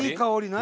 何？